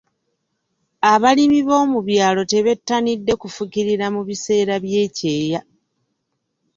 Abalimi b'omu byalo tebettanidde kufukirira mu biseera by'ekyeya.